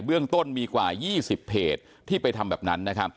เกิดความเสียหายเบื้องต้นมีกว่า๒๐เพจที่ไปทำแบบนั้น